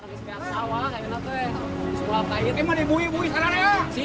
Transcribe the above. pihak pihak sawah yang enak tuh ya sebuah pahit